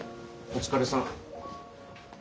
お疲れさん。